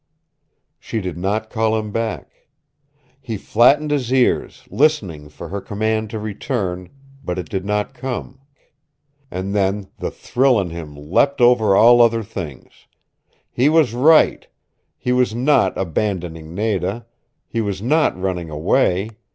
She did not call him back. He flattened his ears, listening for her command to return, but it did not come. And then the thrill in him leapt over all other things. He was right. He was not abandoning Nada. He was not running away.